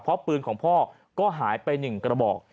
เพราะปืนของพ่อก็หายไป๑กระบอก